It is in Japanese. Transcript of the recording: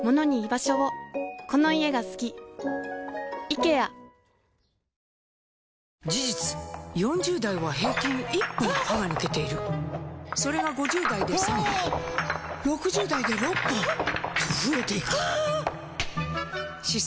新「ＥＬＩＸＩＲ」事実４０代は平均１本歯が抜けているそれが５０代で３本６０代で６本と増えていく歯槽